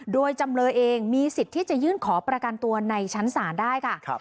โดยจำเลยเองมีสิทธิ์ที่จะยื่นขอประกันตัวในชั้นศาลได้ค่ะ